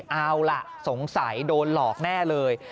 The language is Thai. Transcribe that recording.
เอาล่ะสงสัยโดนหลอกแน่เลย